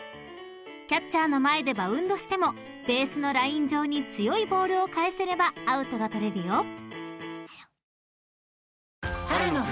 ［キャッチャーの前でバウンドしてもベースのライン上に強いボールを返せればアウトが取れるよ］